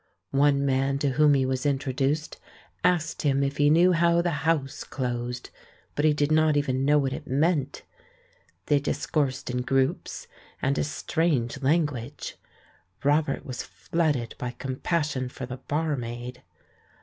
One man to whom he was introduced asked him if he knew how the "House" closed, but he did not even know what it meant. They discoursed in groups, and a strange language; Robert was flooded by com passion for the barmaid.